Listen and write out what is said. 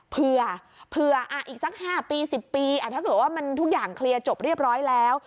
เผื่ออีกสัก๕ปี๑๐ปีถ้าเกิดว่ามันทุกอย่างเคลียร์จบเรียบร้อยแล้ว